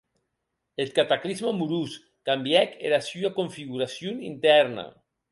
Eth cataclisme amorós cambièc era sua configuracion intèrna.